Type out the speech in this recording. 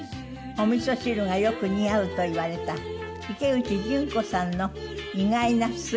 お味噌汁がよく似合うといわれた池内淳子さんの意外な素顔。